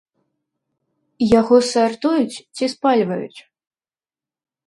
Яго сартуюць ці спальваюць?